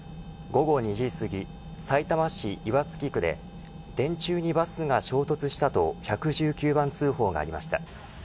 午後２時すぎさいたま市岩槻区で電柱にバスが衝突したと１１９番通報がありました。